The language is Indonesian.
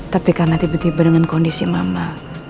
tapi karena tiba tiba dengan kondisi mama